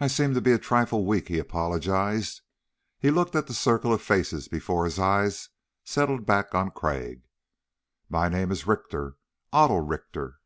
"I seem to be a trifle weak," he apologized. He looked at the circle of faces before his eyes settled back on Crag. "My name is Richter. Otto Richter."